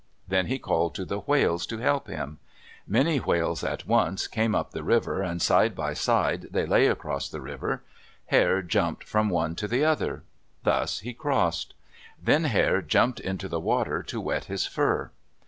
Then he called to the whales to help him. Many whales at once came up the river, and side by side they lay across the river. Hare jumped from one to the other. Thus he crossed. Then Hare jumped into the water to wet his fur.